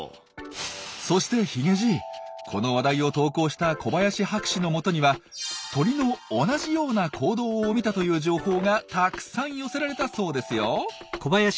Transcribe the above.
そしてヒゲじいこの話題を投稿した小林博士のもとには「鳥の同じような行動を見た」という情報がたくさん寄せられたそうですよ。